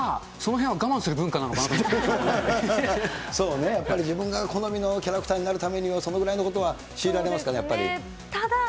まあ、そのへんは我慢する文化なそうね、やっぱり自分が好みのキャラクターになるためには、そのぐらいのことは強いられますかね、やっぱり。